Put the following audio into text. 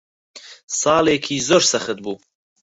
ساڵێکی زۆر سەخت بوو.